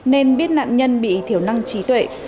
nên biết nạn nhân bị thiểu năng trí tuệ